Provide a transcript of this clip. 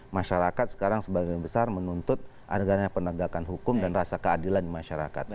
masyarakat sekarang sebagian besar menuntut adegan penegakan hukum dan rasa keadilan di masyarakat